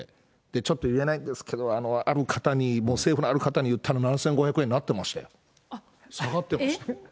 ちょっと言えないんですけど、ある方に、もう政府のある方に言ったら、７５００円になってましたよ、下がってました。